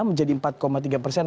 menjadi empat tiga persen